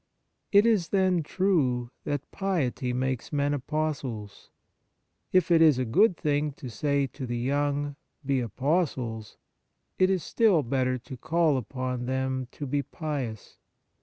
It is, then, true that piety makes men apostles. If it is a good thing to say to the young, " Be apostles," it is still better to call upon them to be pious.